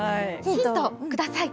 ヒントください。